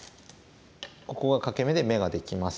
ここが欠け眼で眼ができません。